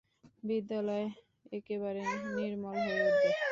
বিদ্যালয় একেবারে নির্মল হয়ে উঠবে।